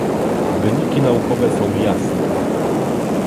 Wyniki naukowe są jasne